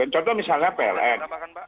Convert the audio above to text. contoh misalnya pln